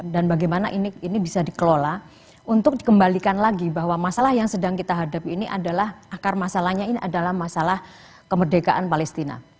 dan bagaimana ini bisa dikelola untuk dikembalikan lagi bahwa masalah yang sedang kita hadapi ini adalah akar masalahnya ini adalah masalah kemerdekaan palestina